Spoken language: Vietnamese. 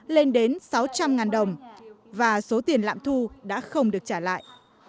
lên đến sáu trăm linh đồng và số tiền lạm thu đã không được trả lại